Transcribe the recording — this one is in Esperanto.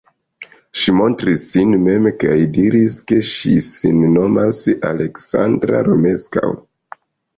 Ŝi montris sin mem kaj diris, ke ŝi sin nomas Aleksandra Romeskaŭ.